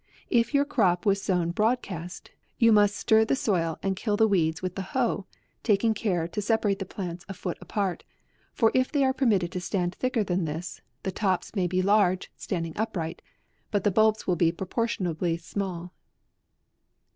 If your crop was sown broadcast, you must stir the soil and kill the weeds with the hoe ; taking care to separate the plants a foot apart, for if they are permitted to stand thicker than this, the tops may be large, standing up right, but the bulbs will be proportionably small.